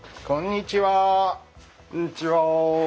こんにちは。